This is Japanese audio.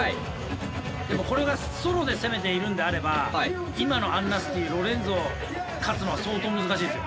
でもこれがソロで攻めているんであれば今のＡＮＮＡＳＴＹロレンゾ勝つのは相当難しいですよ。